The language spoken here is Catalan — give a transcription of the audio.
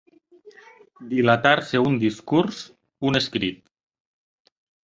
Dilatar-se un discurs, un escrit.